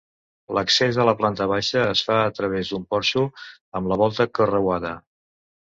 L'accés a la planta baixa es fa a través d'un porxo amb la volta carreuada.